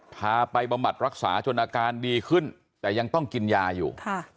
พาไปบำบัดรักษาจนอาการดีขึ้นแต่ยังต้องกินยาอยู่